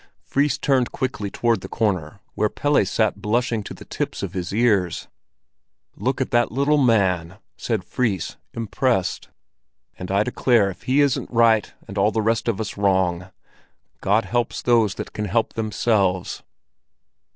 Fris turned quickly toward the corner where Pelle sat blushing to the tips of his ears. "Look at that little man!" said Fris, impressed. "And I declare if he isn't right and all the rest of us wrong! God helps those that help themselves!"